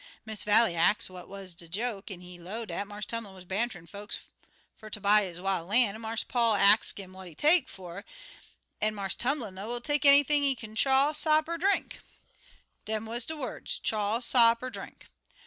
Miss Vallie ax what wuz de joke, an' he low dat Marse Tumlin wuz banterin' folks fer ter buy his wil' lan'; an' Marse Paul ax 'im what he take fer it, an' Marse Tumlin low he'll take anything what he can chaw, sop, er drink. Dem wuz de words chaw, sop, er drink.